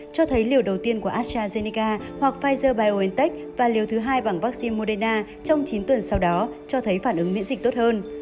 cho thấy liều đầu tiên của astrazeneca hoặc pfizer biontech và liều thứ hai bằng vaccine moderna trong chín tuần sau đó cho thấy phản ứng miễn dịch tốt hơn